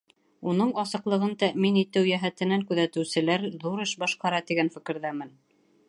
Уның асыҡлығын тәьмин итеү йәһәтенән күҙәтеүселәр ҙур эш башҡара, тигән фекерҙәмен.